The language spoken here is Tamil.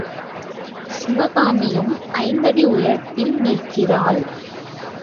சிவகாமியும் ஐந்து அடி உயரத்தில் நிற்கிறாள்.